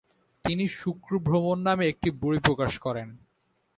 তিনি শুক্র ভ্রমণ নামে একটি বই প্রকাশ করেন।